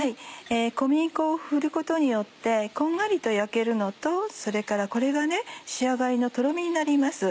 小麦粉を振ることによってこんがりと焼けるのとそれからこれが仕上がりのとろみになります。